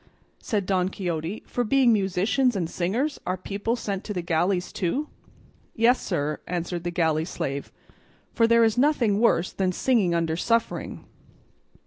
said Don Quixote, "for being musicians and singers are people sent to the galleys too?" "Yes, sir," answered the galley slave, "for there is nothing worse than singing under suffering."